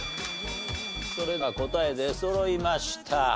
それでは答え出そろいました。